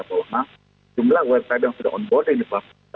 atau jumlah website yang sudah on board di depan kita